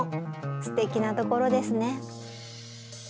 すてきなところですね。